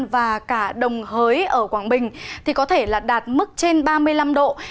và cả đồng hới ở quảng bình thì có thể là đạt mức trên ba mươi năm độ